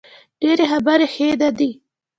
ډیرې خبرې ښې نه دي